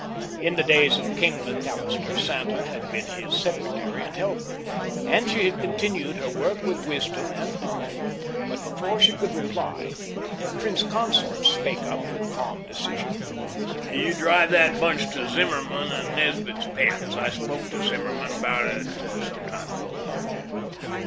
In the days of "King" McAllister, Santa had been his secretary and helper; and she had continued her work with wisdom and profit. But before she could reply, the prince consort spake up with calm decision: "You drive that bunch to Zimmerman and Nesbit's pens. I spoke to Zimmerman about it some time ago."